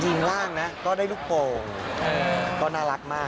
ยิ่งร่างก็ได้ลูกผงก็น่ารักมาก